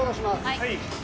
はい。